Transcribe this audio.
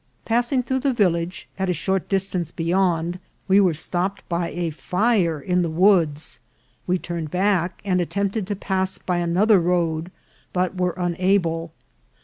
Passing through the village, at a short distance beyond we were stopped by a fire in the woods. We turned back, and attempt ed to pass by another road, but were unable.